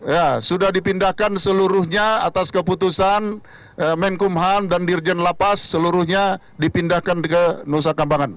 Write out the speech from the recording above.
ya sudah dipindahkan seluruhnya atas keputusan menkumham dan dirjen lapas seluruhnya dipindahkan ke nusa kambangan